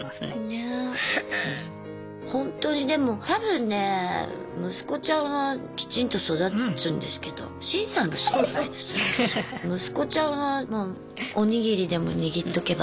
ほんとにでも多分ね息子ちゃんはきちんと育つんですけど息子ちゃんはもうお握りでも握っとけば。